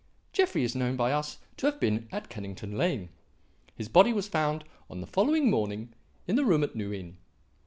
Jeffrey is known by us to have been at Kennington Lane. His body was found on the following morning in the room at New Inn.